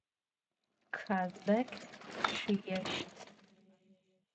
Kazbek ççıêşt.